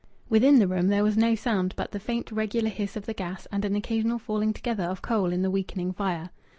Within the room there was no sound but the faint regular hiss of the gas and an occasional falling together of coal in the weakening fire.